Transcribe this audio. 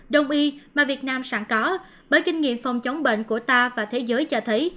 đông y mà việt nam sẵn có bởi kinh nghiệm phòng chống bệnh của ta và thế giới cho thấy